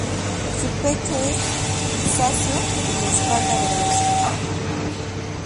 Su pecho es grisáceo y la espalda verdosa.